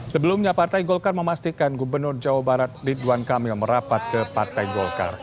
sebelumnya partai golkar memastikan gubernur jawa barat ridwan kamil merapat ke partai golkar